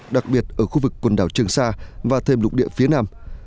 đặc biệt ở khu vực quần đảo trường sa và thêm lục địa phía nam